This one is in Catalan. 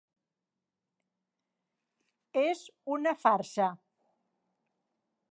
És una farsa.